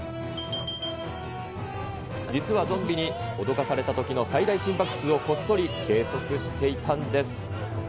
実はゾンビに脅かされたときの最大心拍数をこっそり計測していたんです。